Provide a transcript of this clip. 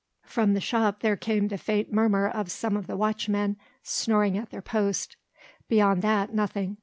From the shop there came the faint murmur of some of the watchmen snoring at their post. Beyond that, nothing.